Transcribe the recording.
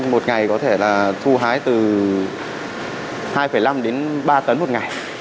một ngày có thể là thu hái từ hai năm đến ba tấn một ngày